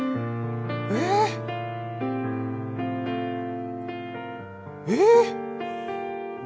えっえっ！